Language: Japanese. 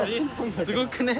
すごくね？